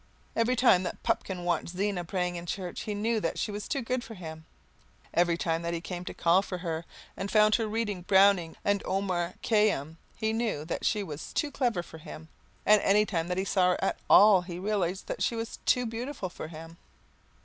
Every time that Pupkin watched Zena praying in church, he knew that she was too good for him. Every time that he came to call for her and found her reading Browning and Omar Khayyam he knew that she was too clever for him. And every time that he saw her at all he realized that she was too beautiful for him.